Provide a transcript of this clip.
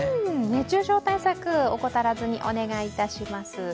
熱中症対策、怠らずにお願いいたします。